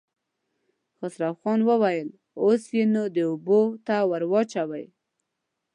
خسرو خان وويل: اوس يې نو اوبو ته ور واچوئ.